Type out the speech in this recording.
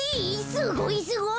すごいすごい。